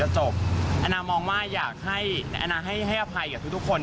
แอนนามองว่าอยากให้แอนนาให้อภัยกับทุกคน